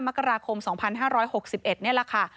มกราคม๒๕๖๑นี่แหละค่ะ